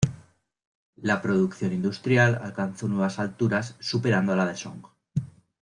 La producción industrial alcanzó nuevas alturas superando a la de Song.